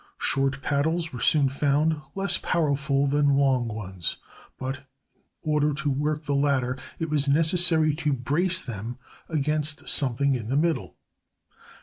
Short paddles were soon found less powerful than long ones; but in order to work the latter it was necessary to brace them against something in the middle.